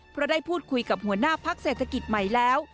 เพราะได้พูดคุยกับหัวหน้าพักเศรษฐกิจใหม่แล้ว